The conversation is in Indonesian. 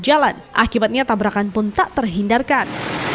kecelakaan berjalan akibatnya tabrakan pun tak terhindarkan